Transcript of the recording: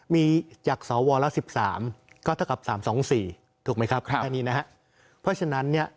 มีจากสวละ๑๓ก็เท่ากับ๓๒๔ถูกไหมครับแค่นี้นะฮะเพราะฉะนั้นเนี่ย